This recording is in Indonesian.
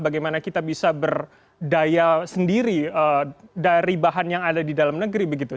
bagaimana kita bisa berdaya sendiri dari bahan yang ada di dalam negeri begitu